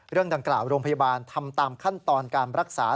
เรื่องดังกล่าวโรงพยาบาลทำตามขั้นตอนการรักษา